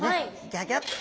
ギョギョッと。